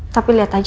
tapi lihat aja nanti